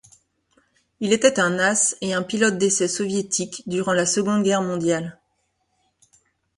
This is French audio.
Il était un as et un pilote d'essai soviétique durant la Seconde Guerre mondiale.